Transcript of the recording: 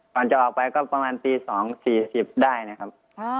จะออกไปก็ประมาณตี๒๔๐ได้นะครับ